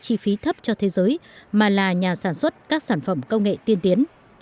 chi phí thấp cho thế giới mà là nhà sản xuất các sản phẩm công nghệ tiên tiến